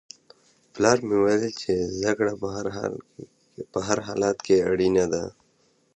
پلار مې وویل چې زده کړه په هر حالت کې اړینه ده.